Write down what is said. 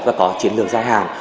và có chiến lược dài hàng